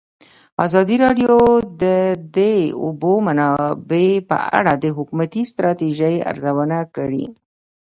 ازادي راډیو د د اوبو منابع په اړه د حکومتي ستراتیژۍ ارزونه کړې.